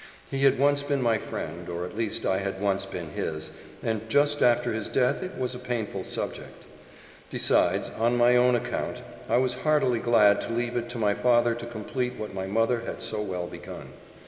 He had once been my friend, or at least I had once been his and just after his death it was a painful subject. Besides, on my own account, I was heartily glad to leave it to my father to complete what my mother had so well begun.